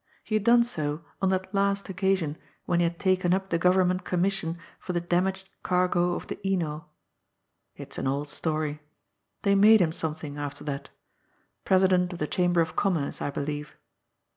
He had done so on that last occasion when he had taken up the Government commis sion for the damaged cargo of the Ino. It's an old story. They made him something after that — President of the Chamber of Commerce, I believe.